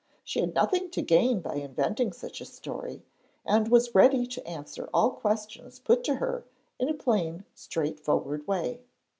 She had nothing to gain by inventing such a story, and was ready to answer all questions put to her in a plain, straightforward way.